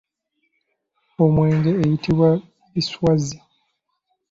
Omwenge guyitibwa biswazzi.